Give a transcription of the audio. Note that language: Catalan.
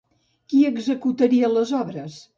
Qui executaria les obres?